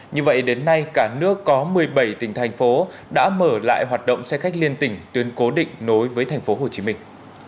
như vậy đến nay cả nước có một mươi bảy tỉnh thành phố đã mở lại hoạt động xe khách liên tỉnh tuyến cố định nối với thành phố hồ chí minh